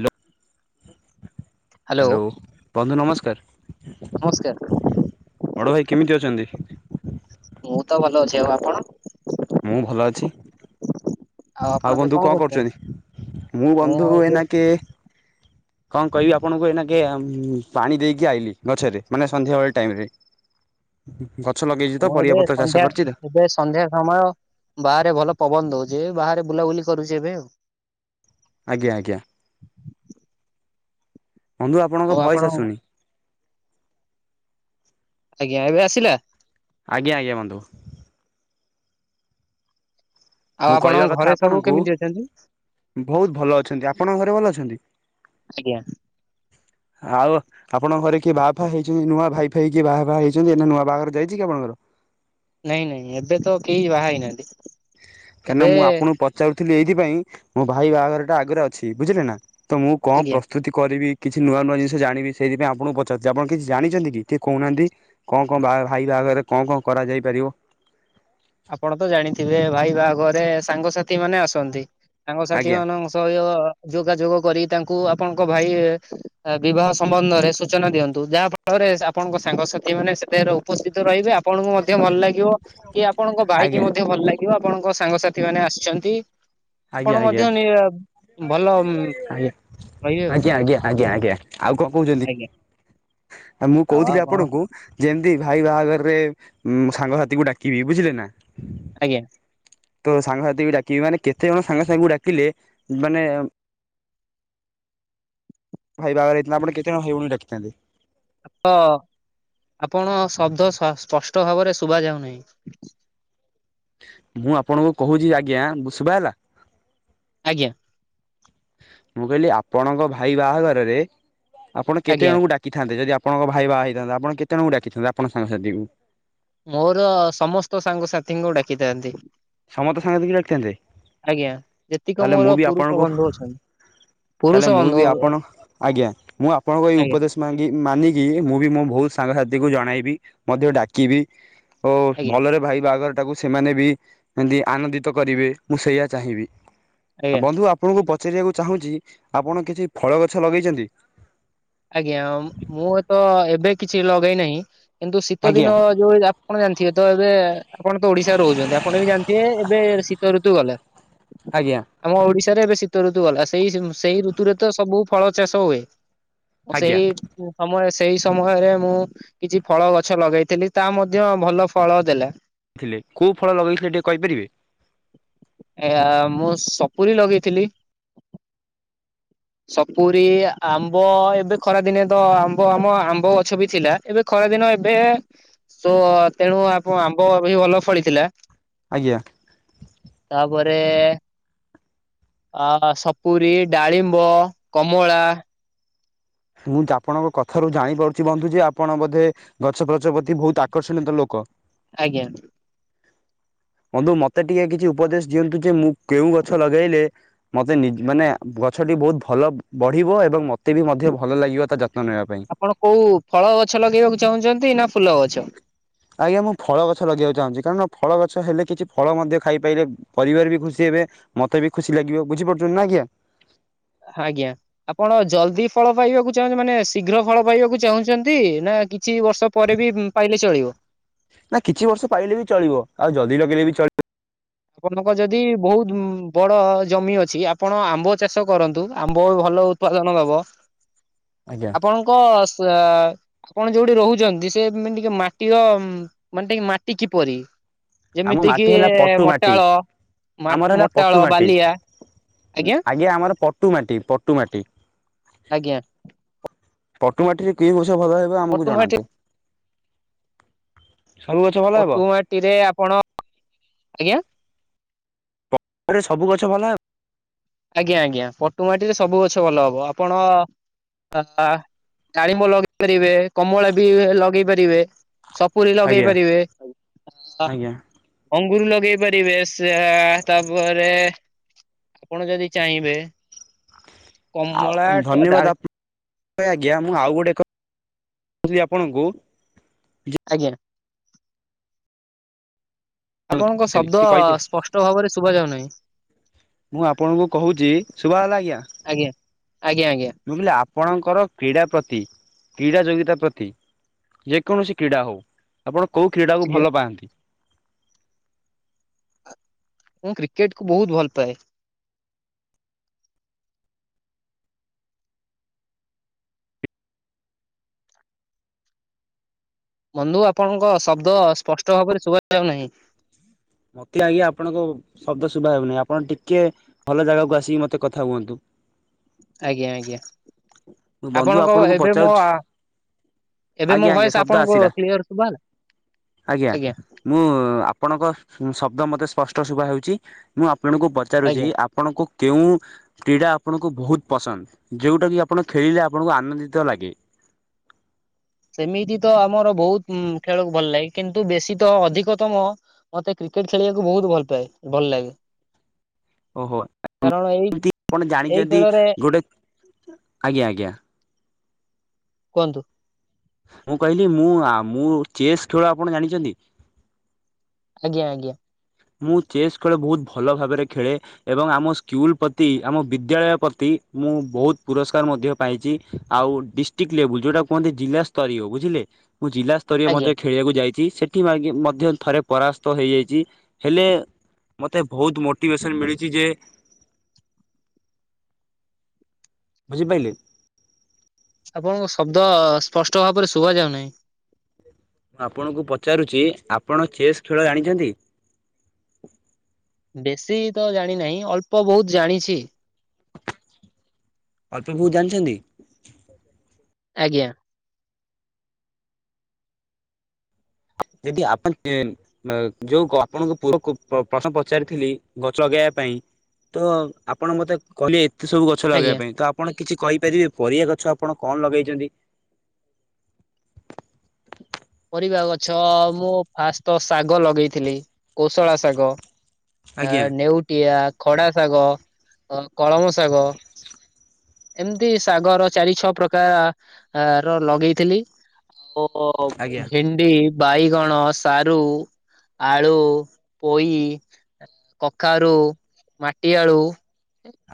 Hello hello ବନ୍ଧୁ ନମସ୍କାର। ବଡ଼ ଭାଇ କେମିତି ଅଛନ୍ତି? ନମସ୍କାର। ମୁଁ ତ ଭଲ ଅଛି ଆଉ ଆପଣ? ମୁଁ ଭଲ ଅଛି। ଆଉ ବନ୍ଧୁ କଣ କରୁଛନ୍ତି? ମୁଁ ବନ୍ଧୁ ଏଇନାକେ କଣ କହିବି ଆପଣଙ୍କୁ ଏଇନାକେ ପାଣି ଦେଇକି ଆଇଲି ଗଛରେ ମାନେ ସନ୍ଧ୍ୟାବେଳେ ଟାଇମ ରେ। [inaudible] ଗଛ ଲଗେଇକି ମୁଁ ଏବେ ସନ୍ଧ୍ୟା ଏବେ ସନ୍ଧ୍ୟା ସମୟ ବାହାରେ ଭଲ ପବନ ଦଉଛି ଏବେ ବାହାରେ ବୁଲାବୁଲି କରୁଛି ଏବେ ଆଉ। ଆଜ୍ଞା ଆଜ୍ଞା ବନ୍ଧୁ ଆପଣଙ୍କ ଆଉ ଆପଣ ଭଏସ୍ ଆସୁନି? ଆଜ୍ଞା ଏବେ ଆସିଲା? ଆଜ୍ଞା ଆଜ୍ଞା ବନ୍ଧୁ। ଆଉ ମୁଁ କହିବା ଆପଣଙ୍କ ଘରେ କଥା ସବୁ ଆପଣଙ୍କୁ କେମିତି ଅଛନ୍ତି? ବହୁତ ଭଲ ଅଛନ୍ତି। ଆପଣଙ୍କ ଘରେ ଭଲ ଅଛନ୍ତି? ଆଜ୍ଞା। ଆଉ। ଆପଣଙ୍କ ଘରେ କିଏ ବାହା ଫାହା ହେଇଛନ୍ତି ନୂଆ ଭାଇ ଫାଇ ହ କିଏ ବାହା ଫାହା ହେଇଛନ୍ତି ଏ ନୂଆ ବାହାଘର ଯାଇଛି କି ଆପଣଙ୍କର? ନାଇଁ ନାଇଁ ଏବେ ତ କେହି ବାହା ହେଇନାହାନ୍ତି। କାହିଁକିନା ଏବେ ମୁଁ ଆପଣଙ୍କୁ ପଚାରୁଥିଲି ଏଇଥିପାଇଁ ମୋ ଭାଇ ବାହାଘର ଟା ଆଗରେ ଅଛି ବୁଝିଲେ ନା। ତ ମୁଁ କଣ ଆଜ୍ଞା ପ୍ରସ୍ତୁତି କରିବି ତ କିଛି ନୂଆ ନୂଆ ଜିନିଷ ଜାଣି ସେଥିପାଇଁ ଆପଣଙ୍କୁ ପଚାରୁଛି ଆପଣ କିଛି ଜାଣିଛନ୍ତି ଟିକେ କହୁନାହାନ୍ତି? କଣ କଣ, ବାହା ଭାଇ ବାହାଘରେ କଣ କଣ କରାଯାଇ ପାରିବ? ଆପଣ ତ ଜାଣିଥିବେ ଭାଇ ବାହାଘରରେ ସାଙ୍ଗସାଥି ମାନେ ଆସନ୍ତି। ସାଙ୍ଗ ସାଥି ଆଜ୍ଞା ମାନଙ୍କ ସହ, ଯୋଗାଯୋଗ କରି ତାଙ୍କୁ ଆପଣଙ୍କ ଭାଇ ବିବାହ ସମ୍ବନ୍ଧରେ ସୂଚନା ଦିଅନ୍ତୁ, ଯାହା ଫଳରେ ଆପଣଙ୍କ ସାଙ୍ଗସାଥି ମାନେ ସେଥିରେ ଉପସ୍ଥିତ ରହିବେ। ଆପଣ ମଧ୍ୟ ଭଲ ଲାଗିବ, କି ଆପଣଙ୍କ ଭାଇକି ଆଜ୍ଞା ମଧ୍ୟ ଭଲ ଲାଗିବ, ଆପଣଙ୍କ ସାଙ୍ଗସାଥି ମାନେ ଆସିଚନ୍ତି। ଆଜ୍ଞା ଆପଣ ଆଜ୍ଞା ଆଜ୍ଞା ମଧ୍ୟ ନିରବ ଭଲ ରହିବେ ଆଉ ଆଜ୍ଞା ଆଜ୍ଞା ଆଜ୍ଞା ଆଜ୍ଞା, ଆଉ କଣ କହୁଛନ୍ତି? ଆଜ୍ଞା ମୁଁ ଆଉ କହୁଥିଲି ଆପଣ ଆପଣଙ୍କୁ ଯେମିତି ଭାଇ ବାହାଘରରେ ସାଙ୍ଗସାଥିକୁ ଡାକିବି ବୁଝିଲେ ନା? ଆଜ୍ଞା। ତୋ ସାଙ୍ଗସାଥି ବି ଡାକିବି ମାନେ କେତେ ଜଣ ସାଙ୍ଗ ସାଙ୍ଗକୁ ଡାକିଲେ, ମାନେ ଭାଇ ବାହାଘର ହେଇଥିଲା, ଆପଣ କେତେଜଣ ଭାଇ ଭଉଣିକୁ ଡାକିଥାନ୍ତେ। ତ ଆପଣ ଶବ୍ଦ ସ୍ପଷ୍ଟ ଭାବରେ ଶୁଭା ଯାଉନାହିଁ। ମୁଁ ଆପଣଙ୍କୁ କହୁଛି ଆଜ୍ଞା, ଶୁଭା ହେଲା? ଆଜ୍ଞା। ମୁଁ କହିଲି ଆପଣଙ୍କ ଭାଇ ବାହାଘରରେ, ଆପଣ କେତେ ଆଜ୍ଞା ଜଣଙ୍କୁ ଡାକ୍ କିଥାନ୍ତେ, ଯଦି ଆପଣଙ୍କ ଭାଇ ବାହା ହେଇଥାନ୍ତେ, ଆପଣ କେତେଜଣକୁ ଡାକିଥାନ୍ତେ ଆପଣଙ୍କ ସାଙ୍ଗସାଥୀକୁ? ମୋର ସମସ୍ତ ସାଙ୍ଗସାଥିଙ୍କୁ ଡାକିଥାନ୍ତି। ସମସ୍ତ ସାଙ୍ଗସାଥିକି ଡାକିଥାନ୍ତେ ଆଜ୍ଞା, ଯେତିକି ତାହେଲେ ମୁଁ ମୋର ବି ପୁରୁଷ ଆପଣଙ୍କୁ ବନ୍ଧୁ ଅଛନ୍ତି। ତାହେଲେ ପୁରୁଷ ମୁଁ ବନ୍ଧୁ ବି ଆପଣ, ଆଜ୍ଞା, ମୁଁ ଆପଣଙ୍କ ଏଇ ଆଜ୍ଞା ଉପଦେଶ ମା କି ମାନିକି, ମୁଁ ବି ମୋ ବହୁତ ସାଙ୍ଗସାଥି କୁ ଜଣେଇବି, ମଧ୍ୟ ଡାକ କିବି ଓ ଆଜ୍ଞା ଭଲରେ ଭାଇ ବାହାଘର କୁ ସେମାନେ ବି କେମତି ଆନନ୍ଦିତ କରିବେ, ମୁଁ ସେଇଆ ଚାହିଁବି। ଆଜ୍ଞା ବନ୍ଧୁ ଆପ୍ ଆପଣଙ୍କୁ ପଚାରିବାକୁ ଚାହୁଁଚି, ଆପଣ କିଛି ଫଳ ଗଛ ଲଗେଇଚନ୍ତି? ଆଜ୍ଞା, ମୁଁ ତ ଏବେ କିଛି ଲଗେଇ ନାହିଁ, କିନ୍ତୁ ଶୀତ ଆଜ୍ଞା ଦିନ ଯୋଉ ଆପଣ ଜାଣିଥିବେ ତ ଏବେ ଆପଣ ତ ଓଡିଶାରେ ରହୁଚନ୍ତି, ଆପଣ ବି ଜାଣିଥିବେ ଏବେ ଶୀତ ଋତୁ ଗଲା। ଆଜ୍ଞା। ଆମ ଓଡିଶାରେ ଏବେ ଶୀତ ଋତୁ ଗଲା, ସେଇ ସେଇ ଋତୁରେ ତ ସବୁ ଫଳ ଚାଷ ହୁଏ। ଆଜ୍ଞା ସେଇ ସମୟ, ସେଇ ସମୟରେ ମୁଁ କିଛି ଫଳ ଗଛ ଲଗେଇଥିଲି, ତା ମଧ୍ୟ ଭଲ ଫଳ ଦେଲା। ଥିଲେ, କୋଉ ଫଳ ଲଗେଇଥିଲେ ଟିକେ କହିପାରିବେ? ଏ ମୁଁ ସପୁରୀ ଲଗେଇଥିଲି ସପୁରୀ, ଆମ୍ବ, ଏ ଏବେ ଖରା ଦିନେ ତ ଆମ୍ବ ଆମ, ଆମ୍ବ ଗଛ ବି ଥିଲା, ଏବେ ଖରା ଦିନ ଏବେ ତ ତେଣୁ ଆପ୍ ଆମ୍ବ ବି ଭଲ ଫଳିଥିଲା। ଆଜ୍ଞା। ତାପରେ ଅ ସପୁରୀ, ଡାଳିମ୍ବ, କମଳା ମୁଁ ତ ଆପଣଙ୍କ କଥାରୁ ଜାଣିପାରୁଚି ବନ୍ଧୁ ଯେ, ଆପଣ ବୋଧେ ଗଛ ଫଛ ପ୍ରତି ବହୁତ ଆକର୍ଷଣୀତ ଲୋକ। ଆଜ୍ଞା। ବନ୍ଧୁ ମତେ ଟିକେ କିଛି ଉପଦେଶ ଦିଅନ୍ତୁ ଯେ, ମୁଁ କେଉଁ ଗଛ ଲଗେଇଲେ ମତେ ନି ମାନେ ଗଛଟି ବହୁତ ଭଲ ବଢିବ ଏବଂ ମତେ ବି ମଧ୍ୟ ଭ ଭଲ ଲାଗିବ ତା ଯତ୍ନ ନେବା ପାଇଁ। ଆପଣ କୋଉ ଫଳ ଗଛ ଲଗେଇବାକୁ ଚାହୁଁଛନ୍ତି ନା ଫୁଲ ଗଛ। ଆଜ୍ଞା ମୁଁ ଫଳ ଗଛ ଲଗେଇବାକୁ ଚାହୁଁଛି କାରଣ ଫଳ ଗଛ ହେଲେ କିଛି ଫଳ ମଧ୍ୟ ଖାଇପାରିଲେ ପରିବାର ବି ଖୁସି ହେବେ। ମତେ ବି ଖୁସି ଲାଗିବ ବୁଝିପାରୁଛୁ ନା ଆଜ୍ଞା। ଆଜ୍ଞା। ଆପଣ ଜଲଦି ଫଳ ପାଇବାକୁ ଚାହୁଁଛନ୍ତି ମାନେ ଶୀଘ୍ର ଫଳ ପାଇବାକୁ ଚାହୁଁଛନ୍ତି ନା କିଛି ବର୍ଷ ପରେ ବି ଉଁ। ପାଇଲେ ଚଳିବ। ନା କିଛି ବର୍ଷ ପାଇଲେ ବି ଚଳିବ ଆଉ ଜଲଦି ଲଗେଇଲେ ବି ଚଳିବ। ଆପଣଙ୍କର ଯଦି ବହୁତ୍ ବଡ ଜମି ଅଛି ଆପଣ ଆମ୍ବ ଚାଷ କରନ୍ତୁ ଆମ୍ବ ଭଲ ହ। ଉପ୍ତାଦନ ହବ ତ। ଆଜ୍ଞା। ଆପଣଙ୍କ ସେ। ଆପଣ ଯୋଉଠି ରହୁଛନ୍ତି ସୋନ ଟିକେ ମାଟିର ମାନେ ଟିକେ ମାଟି କିପରି। ଆମ ଯେମିତି କିି ମାଟି ହେଲା ପଟୁ ମାଟି ମଟାଳ ଆମର ହେଲା ମଟାଳ ବାଲିଆ ଆଜ୍ଞା। ଏ ଆମର ପଟୁ ମାଟି ପଟୁ ମାଟି। ଆଜ୍ଞା। ପଟୁ ମାଟିରେ କି ବର୍ଷ ଭଲ ହେବ ଆମକୁ ପଟୁମାଟି ଜଣାନ୍ତୁ [unintelligible] ସବୁ ଗଛ ଭଲ ହେବ ପଟୁ ମାଟିରେ ଆପଣ ଆଜ୍ଞା। ଆରେ ସବୁ ଗଛ ଭଲ ହେବ। ଆଜ୍ଞା ଆଜ୍ଞା ପଟୁ ମାଟିରେ ସବୁ ଗଛ ଭଲ ହବ ଆପଣ। ଅ ଡାଳିମ୍ବ ଲଗେଇ ପାରିବେ କମଳା ବି ଲଗେଇ ପାରିବେ। ସପୁରୀ ଲଗେଇ ଆଜ୍ଞା ପାରିବେ ହ। ଆଜ୍ଞା ଅଙ୍ଗୁରୁ ଲଗେଇ ପାରିବେ ସେ ତାପରେ। ଆପଣ ଯଦି ଚାହିଁବେ। କମଳା ଆଉ ଧନ୍ୟବାଦ ଡାଳି ଆ ଆଜ୍ଞା ମୁଁ ଆଉ ଗୋଟେଥିଲି ଆପଣଙ୍କୁ [unintelligible] ଆଜ୍ଞା। ଆପଣଙ୍କ ଶବ୍ଦ ଟିକେ କହିବେ ସ୍ପଷ୍ଟ ଭାବରେ ଶୁଭା ଯାଉନାହିଁ। ମୁଁ ଆପଣଙ୍କୁ କହୁଛି ଶୁଭା ହେଲା ଆଜ୍ଞା। ଆଜ୍ଞା ଆଜ୍ଞା ମୁଁ ବୁଝିଲେଆପଣଙ୍କର କ୍ରୀଡ଼ା ପ୍ରତି କ୍ରୀଡ଼ା ଯୋଗିତା ପ୍ରତି। ଯେ କୌଣସି କ୍ରୀଡ଼ା ହଉ ଆପଣ କୋଉ କ୍ରୀଡାକୁ ଭଲ ପାଆନ୍ତି। ମୁଁ କ୍ରିକେଟ କୁ ବହୁତ୍ ଭଲ ପାଏ। ବନ୍ଧୁ ଆପଣଙ୍କ ଶବ୍ଦ ସ୍ପଷ୍ଟ ଭାବରେ ଶୁଭାଯାଉନାହିଁ। ମତେ ଆଜ୍ଞା ଆପଣଙ୍କ ଶବ୍ଦ ଶୁଭା ହେଉନିଁ ଆପଣ ଟିକେ ଭଲ ଜାଗାକୁ ଆସିକି ମତେ କଥା ହୁଅନ୍ତୁ। ଆଜ୍ଞା ଆଜ୍ଞା ବନ୍ଧୁ ଆପଣଙ୍କ ଆପଣଙ୍କୁ ଏବେ ମୋ ପଚାରୁଛି ଆ। ଏବେ ମୋ ଆଜ୍ଞା ଆଜ୍ଞା ଭଏସ ଶବ୍ଦ ଆପଣଙ୍କ ଆସିଲା। କ୍ଲିୟର ଭ ଆଜ୍ଞା। ମୁଁ ଆପଣଙ୍କ ଶବ୍ଦ ମୋତେ ସ୍ପଷ୍ଟ ଶୁଭା ହେଉଛି ମୁଁ ଆପଣଙ୍କୁ ପଚାରୁଛି। ଆଜ୍ଞା। ଆପଣଙ୍କୁ କେଉଁ କ୍ରୀଡା ଆପଣଙ୍କୁ ବହୁତ୍ ପସନ୍ଦ ଯୋଉଟା କି। ଆପଣ ଖେଳିଲେ ଆପଣଙ୍କୁ ଆନନ୍ଦିତ ଲାଗେ‌। ସେମିତି ତ ଆମର ବହୁତ୍ ଖେଳକୁ ଭଲ ଲାଗେ କିନ୍ତୁ ବେଶୀ ତ ଅଧିକତମ। ମତେ କ୍ରିକେଟ୍ ଖେଳିବାକୁ ବହୁତ୍ ଭଲ ପାଏ ଭଲ ଲାଗେ। କାରଣ ଏଇ ଓହୋମତି ଆପଣ ଏଇ ଜାଣିଛନ୍ତି ଖେଳରେ ଗୋଟେ ଆଜ୍ଞା ଆଜ୍ଞା। କୁହନ୍ତୁ। ମୁଁ କହିଲି ମୁଁ ମୁଁ ଚେସ୍ ଖେଳ ଆପଣ ଜାଣିଛନ୍ତି। ଆଜ୍ଞା ଆଜ୍ଞା। ମୁଁ ଚେସ୍ ଖେଳ ବହୁତ୍ ଭଲ ଭାବରେ ଖେଳେ। ଏବଂ ଆମ ସ୍କୁଲ ପ୍ରତି ଆମ ବିଦ୍ୟାଳୟ ପ୍ରତି ମୁଁ ବହୁତ୍ ପୁରସ୍କାର ମଧ୍ୟ। ପାଇଛି ଆଉ ଡିଷ୍ଟିକ ଲେଭୁଲ୍ ଯୋଉଟା କୁହନ୍ତି ଜିଲ୍ଲା ସ୍ତରୀୟ ବୁଝିଲେ? ମୁଁ ଜି ସ୍ତରୀୟ ଆଜ୍ଞା ମଧ୍ୟ ଖେଳିବାକୁ ଯାଇଛି। ସେଠି ମଧ୍ୟ ଥରେ ପରାସ୍ତ ହେଇଯାଇଛି। ହେଲେ ମତେ ବହୁତ ମୋଟିଭେସନ ମିଳିଛି ଯେ ବୁଝିପାଇଲେ? ଆପଣଙ୍କ ଶବ୍ଦ ସ୍ପଷ୍ଟ ଭାବରେ ଶୁଭା ଯାଉନାହିଁ। ମୁଁ ଆପଣଙ୍କୁ ପଚାରୁଛି ଆପଣ ଚେସ୍ ଖେଳ ଜାଣିଛନ୍ତି? ବେଶୀ ତ ଜାଣିନାହିଁ ଅଳ୍ପ ବହୁତ ଜାଣିଛି। ଅଳ୍ପ ବହୁତ ଜାଣିଛନ୍ତି? ଆଜ୍ଞା। ଯଦି ଆପଣ [unintelligible] ଯୋଉ ଆପଣଙ୍କୁ ପଅକୁ ପ୍ରଶ୍ନ ପଚାରିଥିଲି ଗଛ ଲଗେଇବା ପାଇଁ। ତ ଆପଣ ମତେ କହିଲେ ଏତେ ସବୁ ଗଛ ଗଛ ଲଗେଇବା ଆଜ୍ଞା। ପାଇଁ ତ ଆପଣ କିଛି କହିପାରିବେ ପରିବା ଗଛ ଆପଣ କଣ ଲଗେଇଛନ୍ତି? ପରିବା ଗଛ ମୁଁ ଫାଷ୍ଟ ତ ଶାଗ ଲଗେଇଥିଲି, କୋଶଳା ଶାଗ। ଆ ଆଜ୍ଞା ନେଉଟିଆ, ଖଡା ଶାଗ, ଅ କଳମ ଶାଗ। ଏମିତି ଶାଗର ଚାରି ଛଅ ପ୍ରକାର ଆ ର ଲଗେଇଥିଲି। ଆଉ ଆଜ୍ଞା ଭେଣ୍ଡି ଭେଣ୍ଡି, ବାଇଗଣ, ସାରୁ ଆଳୁ, ପୋଇ କଖାରୁ, ମାଟି ଆଳୁ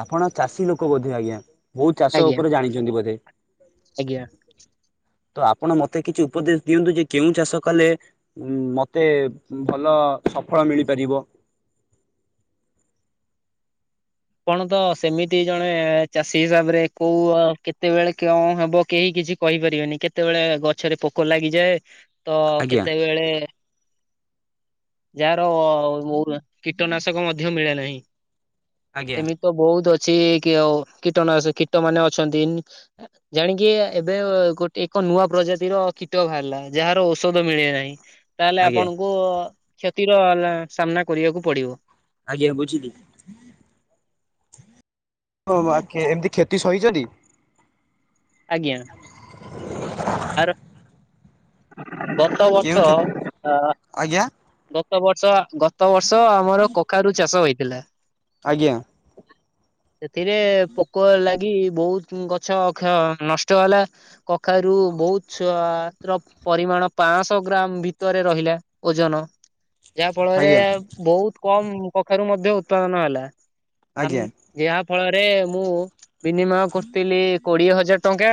ଆପଣ ଚାଷୀ ଲୋକ ବୋଧେ ଆଜ୍ଞା। ବହୁତ ଚାଷ ଆଜ୍ଞା ଉପରେ ଜାଣିଛନ୍ତି ବୋଧେ‌? ଆଜ୍ଞା। ତ ଆପଣ ମତେ କିଛି ଉପଦେଶ ଦିଅନ୍ତୁ ଯେ କେଉଁ ଚାଷ କଲେ ଉଁ ମତେ ଭଲ ସଫଳ ମିଳିପାରିବ। ଆପଣ ତ ସେମିତି ଜଣେ ଚାଷୀ ହିସାବରେ କୋଉ କେତେବେଳେ କଣ ହେବ କେହି କିଛି କହିପାରିବେନି କେତେବେଳେ ଗଛରେ ପୋକ ଲାଗିଯାଏ ତ ଆଜ୍ଞା କେତେବେଳେ ଯାହାର କୀଟନାଶକ ମଧ୍ୟ ମିଳେ ନାହିଁ। ଆଜ୍ଞା ସେମିତି ତ ବହୁତ ଅଛି କି କୀଟନାଶ କୀଟ ମାନେ ଅଛନ୍ତି ଜାଣିକି ଏବେ ଗୋଟେ ଏକ ନୂଆ ପ୍ରଜାତିର କୀଟ ବାହାରିଲା। ଯାହାର ଔଷଧ ମିଳେ ନାହିଁ। ତାହେଲେ ଆଜ୍ଞା ଆପଣଙ୍କୁ କ୍ଷତିର ଲା ସାମ୍ନା କରିବାକୁ ପଡିବ। ଆଜ୍ଞା ବୁଝିଲି। ହଁ। ବା କେ ଏମିତି କ୍ଷତି ସହିଚନ୍ତି? ଆଜ୍ଞା। ଆର ଗତ କେଉଁ ବର୍ଷ କ୍ଷତି? ଆ- ଆଜ୍ଞା। ଗତ ବର୍ଷ ଆ ଗତ ବର୍ଷ ଆମର କଖାରୁ ଚାଷ ହେଇଥିଲା। ଆଜ୍ଞା। ସେଥିରେ ପୋକ ଲାଗି ବହୁତ ଗଛ କ୍ଷୟ ନଷ୍ଟ ହେଲା। କଖାରୁୁ ବହୁତ୍ ଛୁଆ ତ୍ରପ୍ ପରିମାଣ ପାଶହ ଗ୍ରାମ ଭିତରେ ରହିଲା ଓଜନ। ଯାହା ଫଳରେ ଆଜ୍ଞା ବହୁତ କମ୍ କଖାରୁ ମଧ୍ୟ ଉତ୍ପାଦାନ ହେଲା। ଆମ୍ ଆଜ୍ଞା ଏହା ଫଳରେ ମୁଁ ବିନିମୟ କରିଥିଲି କୋଡ଼ିଏ ହଜାର ଟଙ୍କା।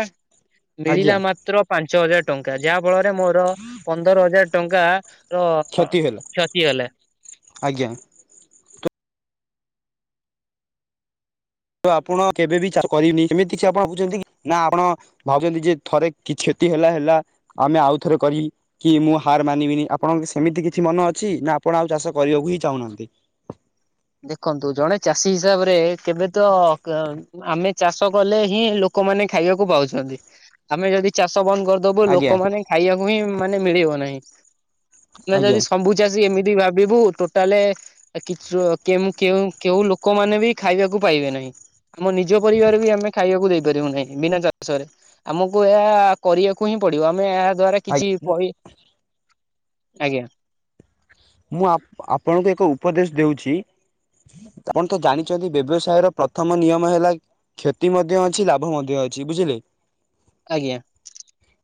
ଆଜ୍ଞା ମିଳିଲା ମାତ୍ର ପାଞ୍ଚ ହଜାର ଟଙ୍କା ଯାହା ଫଳରେ ମୋର ପନ୍ଦର ହଜାର ଟଙ୍କା ର କ୍ଷତି ହେଲା। ଆଜ୍ଞା। ତ ଆପଣ କେବେ ବି ଚାଷ କରିନି ଏମିତି କିଛି ଆପଣ ହଉଚନ୍ତି କି ନା ଆପଣ ଭାବୁଚନ୍ତି ଯେ ଥରେ କିଛି କ୍ଷତି ହେଲା ହେଲା ଆମେ ଆଉ ଥରେ କରି କି ମୁଁ ହାର ମାନିବି ନି ଆପଣ ସେମିତି କିଛି ମନ ଅଛି ନା ଆପଣ ଆଉ ଚାଷ କରିବାକୁ ହିଁ ଚାହୁଁନାହାନ୍ତି। ଦେଖନ୍ତୁ ଜଣେ ଚାଷୀ ହିସାବରେ କେବେ ତ ଆମେ ଚାଷ କଲେ ହିଁ ଲୋକମାନେ ଖାଇବାକୁ ପାଉଛନ୍ତି ଆମେ ଯଦି ଚାଷ ବନ୍ଦ କରିଦବୁ ଆଜ୍ଞା ଲୋକମାନେ ଖାଇବାକୁ ବି ମାନେ ମିଳିବ ନାହିଁ। ଛୁଆ ଯଦି ଆଜ୍ଞା ସମ୍ଭୁ- ଯେ ଆସିକି ଏମିତି ଭାବିବୁ ଟୋଟାଲେ କି ଛୁ କେ ମୁଁ କେଉଁ କେଉଁ ଲୋକମାନେ ବି ଖାଇବାକୁ ପାଇବେ ନାହିଁ। ଆମ ନିଜ ପରିବାର ବି ଆମେ ଖାଇବାକୁ ଦେଇପାରିବୁ ନାହିଁ ବିନା ଚା ଷରେ ଆମକୁ ଏହା କରିବାକୁ ହିଁ ପଡିବ ଆମେ ଏହା ଦ୍ଵାରା ଆଜ୍ଞା କିଛି ମୁଁ ପଇ ଆଜ୍ଞା। ମୁଁ ଆପ୍ ଆପଣଙ୍କୁ ଏକ ଉପଦେଶ ଦେଉଛି। ଆପଣ ତ ଜାଣିଚନ୍ତି ବ୍ୟବସାୟର ପ୍ରଥମ ନିୟମ ହେଲା କ୍ଷତି ମଧ୍ୟ ଅଛି ଲାଭ ମଧ୍ୟ ଅଛି ବୁଝିଲେ? ଆଜ୍ଞା।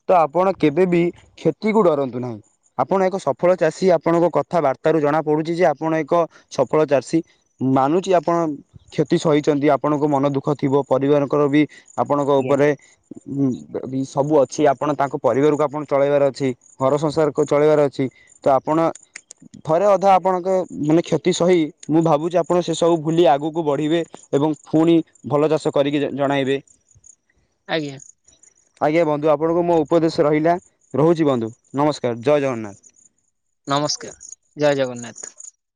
ତ ଆପଣ କେବେ ବିି କ୍ଷତିକୁ ଡରନ୍ତୁ ନାହିଁ। ଆପଣ ଏକ ସଫଳ ଚାଷୀ ଆପଣଙ୍କ କ କଥା ବାର୍ତ୍ତ ରୁ ଜଣା ପଡ଼ୁଚି ଯେ ଆପଣ ଏକ ସଫଳ ଚାଷୀ ମାନୁଚି ଆପଣ କ୍ଷତି ସହିଚନ୍ତି ଆପଣଙ୍କ ମନ ଦୁଃଖ ଥିବ ପରିବାରଙ୍କର ବି ଆପଣଙ୍କ ଆଜ୍ଞା ଉପରେ ହୁଁ ସବୁ ଅଛି ଆପଣ ତାଙ୍କ ପରିବାରକୁ ଆପଣ ଚଳେଇବାର ଅଛି। ଘର ସଂସାରକୁ ଚଳେଇବାର ଅଛି ତ ଆପଣ ଥରେ ଅଧେ ଆପଣଙ୍କ ମାନେ କ୍ଷତି ସହି ମୁଁ ଭାବୁଚି ଆପଣ ସେ ସବୁ ଭୁଲି ଆଗକୁ ବଢ଼ିବେ। ଏବଂ ଫୁଣି ଭଲ ଚାଷ କରିକି ଜଣାଇବେ। ଆଜ୍ଞା। ଆଜ୍ଞା ବନ୍ଧୁ ଆପଣଙ୍କୁ ମୋ ଉପଦେଶ ରହିଲା ରହୁଚି ବନ୍ଧୁ ନମସ୍କାର ଜୟ ଜଗନ୍ନାଥ। ନମସ୍କାର ଜୟ ଜଗନ୍ନାଥ।